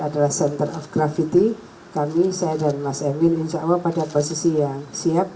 adalah center of gravity kami saya dan mas emil insya allah pada posisi yang siap